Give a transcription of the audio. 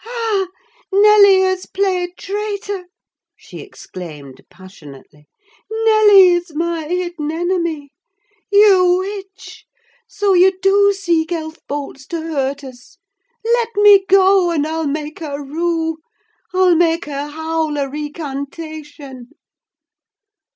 "Ah! Nelly has played traitor," she exclaimed, passionately. "Nelly is my hidden enemy. You witch! So you do seek elf bolts to hurt us! Let me go, and I'll make her rue! I'll make her howl a recantation!"